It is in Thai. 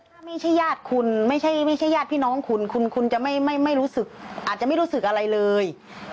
ถ้าไม่ใช่ญาติคุณไม่ใช่ญาติพี่น้องคุณคุณจะไม่รู้สึกอาจจะไม่รู้สึกอะไรเลย